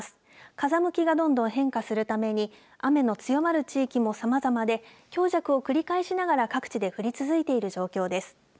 風向きがどんどん変化するために雨の強まる地域もさまざまで強弱を繰り返しながら各地で降り続いている状況です。